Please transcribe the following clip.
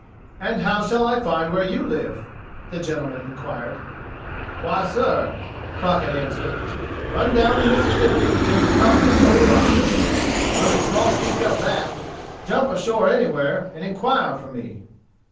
"And how shall I find where you live?" the gentleman inquired. "Why, sir," Crockett answered, "run down the Mississippi till you come to the Oberon River. Run a small streak up that; jump ashore anywhere, and inquire for me."